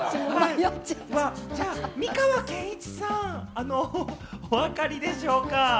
美川憲一さん、お分かりでしょうか？